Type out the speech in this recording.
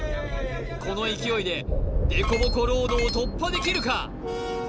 この勢いで凸凹ロードを突破できるか？